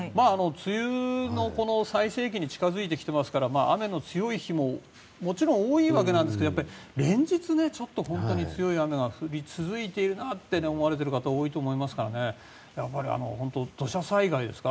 梅雨の最盛期に近づいてきていますから雨の強い日ももちろん多いわけなんですが連日強い雨が降り続いているなと思われている方が多いと思いますからやっぱり、土砂災害ですか。